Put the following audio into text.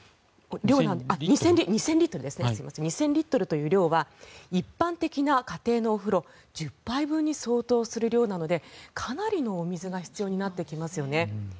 この２０００リットルという量は一般的な家庭のお風呂１０杯分に相当する量なのでかなりのお水が必要になってきますよね。